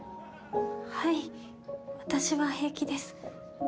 はい私は平気です。